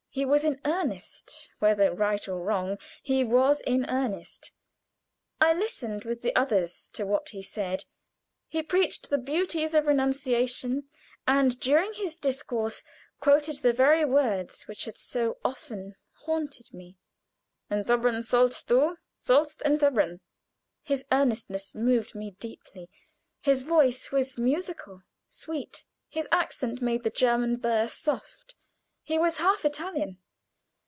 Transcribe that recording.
He was in earnest whether right or wrong, he was in earnest. I listened with the others to what he said. He preached the beauties of renunciation, and during his discourse quoted the very words which had so often haunted me Entbehren sollst du! sollst entbehren! His earnestness moved me deeply. His voice was musical, sweet. His accent made the German burr soft; he was half Italian.